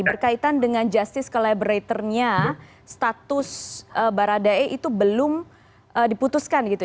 berkaitan dengan justice collaborator nya status barra dae itu belum diputuskan gitu